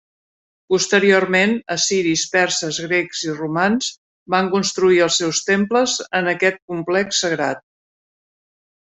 Posteriorment, assiris, perses, grecs i romans van construir els seus temples en aquest complex sagrat.